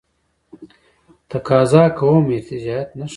تقاضا کوم ارتجاعیت نه ښیي.